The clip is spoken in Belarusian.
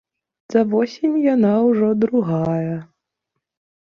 За восень яна ўжо другая.